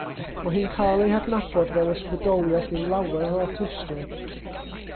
Mae hi'n cael ei hadnabod fel ysbrydoliaeth i lawer o artistiaid.